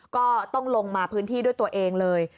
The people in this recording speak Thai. ก็ต้องลงมาพื้นที่ด้วยตัวเองเลย